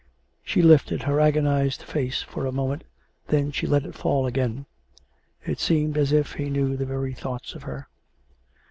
(She lifted her agonized face for a moment, then she let it fall again. It seemed as if he knew the very thoughts of her.)